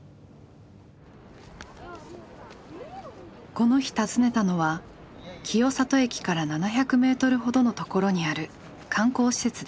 この日訪ねたのは清里駅から７００メートルほどのところにある観光施設です。